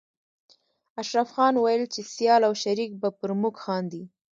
اشرف خان ويل چې سيال او شريک به پر موږ خاندي